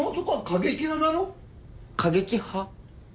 過激派？